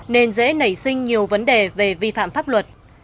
nên dễ nảy sinh nhiều vấn đề về vi phạm pháp luật